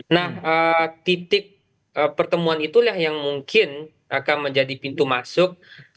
nah titik pertemuan itulah yang mungkin akan menjadi pintu masuk